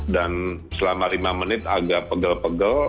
dan selama lima menit agak pegel pegel